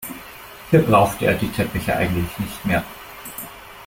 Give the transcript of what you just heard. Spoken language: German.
Hier brauchte er die Teppiche eigentlich nicht mehr.